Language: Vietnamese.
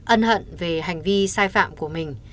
ân hận về hành vi sai phạm của mình